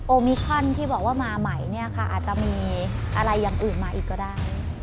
มิคอนที่บอกว่ามาใหม่เนี่ยค่ะอาจจะมีอะไรอย่างอื่นมาอีกก็ได้